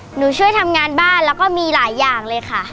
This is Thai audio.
หนูช่วยทำงานบ้านแล้วก็มีหลายอย่างเลยค่ะ